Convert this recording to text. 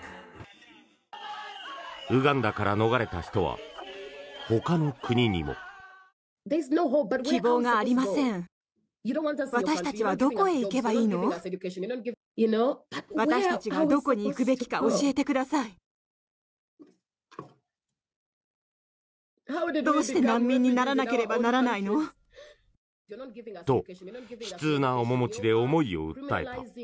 ウガンダから逃れた人はほかの国にも。と、悲痛な面持ちで思いを訴えた。